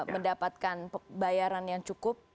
mendapatkan bayaran yang cukup